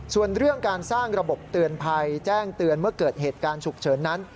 ส่วนเรื่องการสร้างระบบเตือนภัยแจ้งเตือนเมื่อเกิดเหตุการณ์ฉุกเฉินนั้น